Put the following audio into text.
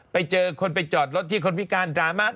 ไปเจอคนไปจอดรถที่คนพิการดราม่า